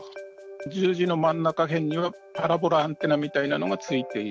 十字の真ん中らへんにはパラボラアンテナみたいなのがついている。